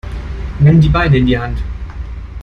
Nimm die Beine in die Hand.